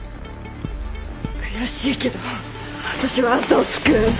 悔しいけど私はあんたを救う。